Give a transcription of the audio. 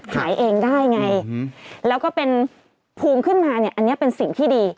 หายเองได้ไงแล้วก็เป็นภูมิขึ้นมาเนี่ยอันนี้เป็นสิ่งที่ดี